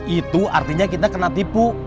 itu artinya kita kena tipu